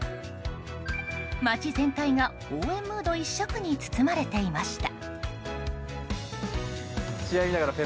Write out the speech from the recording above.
街全体が応援ムード一色に包まれていました。